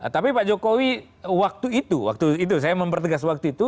tapi pak jokowi waktu itu waktu itu saya mempertegas waktu itu